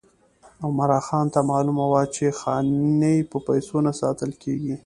عمرا خان ته معلومه وه چې خاني په پیسو نه ساتل کېږي.